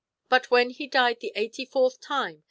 But when he died the eighty fourth time they Chap.